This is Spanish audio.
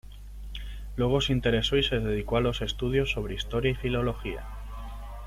Luego se interesó y se dedicó a los estudios sobre historia y filología.